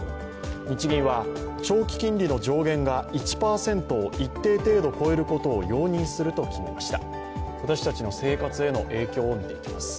日銀は長期金利の上限が１％を一定程度超えることを容認すると決めました。